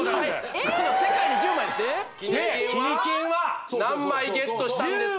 「キニ金」は何枚ゲットしたんですか？